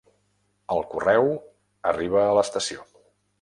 El correu arriba a l'estació.